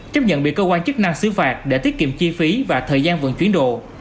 chấp nhận bị cơ quan chức năng xứ phạt để tiết kiệm chi phí và thời gian vận chuyển đồ